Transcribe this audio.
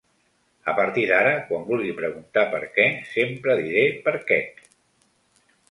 A partir d'ara quan vulgui preguntar per què sempre diré per quec.